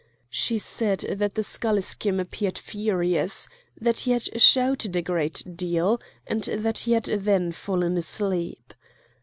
She said that the schalischim appeared furious, that he had shouted a great deal, and that he had then fallen asleep.